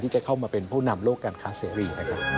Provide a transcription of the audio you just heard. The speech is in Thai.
ที่จะเข้ามาเป็นผู้นำโลกการค้าเสรี